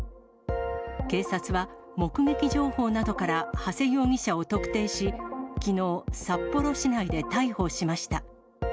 警察は、目撃情報などから長谷容疑者を特定し、きのう、札幌市内で逮捕しました。